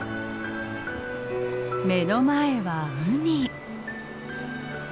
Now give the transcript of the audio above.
目の前は海。